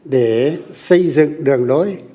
để xây dựng đường lối